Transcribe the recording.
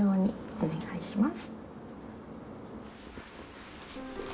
お願いします。